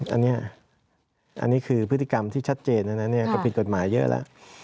อันนี้อันนี้คือพฤติกรรมที่ชัดเจนนะก็ผิดกฎหมายเยอะแล้ว